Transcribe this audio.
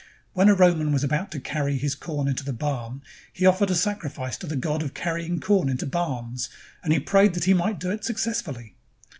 When a Roman was about to carry his corn into the barn, he offered a sacrifice to the god of carrying corn into barns and prayed that he might do it successfully.